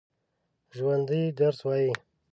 ژوندي درس وايي